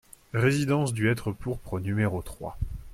Résidence du Hêtre Pourpre au numéro trois